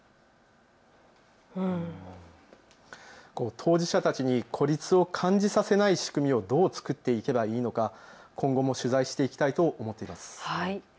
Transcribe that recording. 当事者たちに孤立を感じさせない仕組みをどう作っていけばいいのか今後も取材していきたいと思っています。